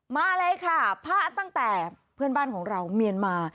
มาเลยค่ะพลาดตั้งแต่เพื่อนบ้านของเราเมียนมา